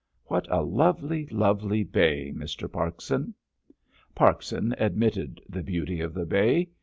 "What a lovely, lovely bay, Mr. Parkson!" Parkson admitted the beauty of the bay.